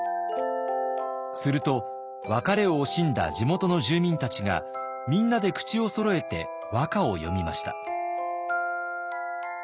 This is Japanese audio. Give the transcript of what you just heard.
すると別れを惜しんだ地元の住民たちがみんなで口をそろえて和歌を詠みました。